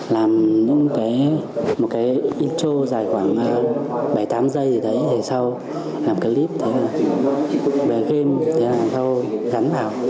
làm một intro dài khoảng bảy tám giây rồi đấy rồi sau làm clip rồi game rồi gắn vào